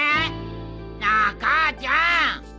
なあ母ちゃん！